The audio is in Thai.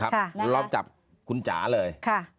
ค่ะล้อมจับคุณจ๋าเลยค่ะ